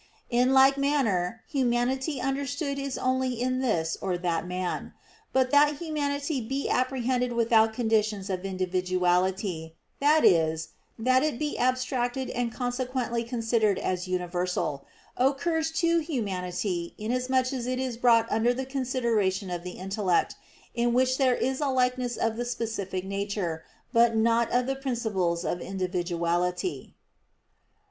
In like manner humanity understood is only in this or that man; but that humanity be apprehended without conditions of individuality, that is, that it be abstracted and consequently considered as universal, occurs to humanity inasmuch as it is brought under the consideration of the intellect, in which there is a likeness of the specific nature, but not of the principles of individuality.